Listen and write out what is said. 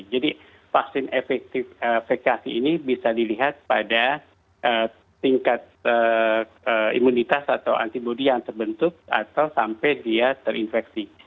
jadi vaksin efektif vaksin ini bisa dilihat pada tingkat imunitas atau antibodi yang terbentuk atau sampai dia terinfeksi